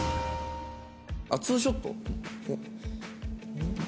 あっツーショット？